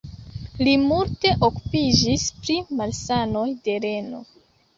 Li multe okupiĝis pri malsanoj de reno.